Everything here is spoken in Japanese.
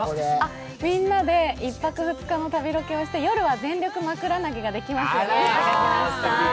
みんなで一泊二日の旅ロケをして夜は全力枕投げができますように。